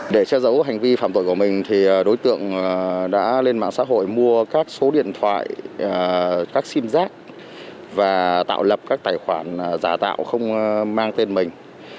để che giấu hành vi phạm tội của mình thì đối tượng đã lên mạng xã hội mua các số điện thoại các sim giác và tạo lập các tài khoản giả tạo không mang tên mình